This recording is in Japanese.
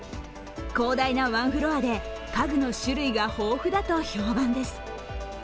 広大なワンフロアで家具の種類が豊富だと評判です。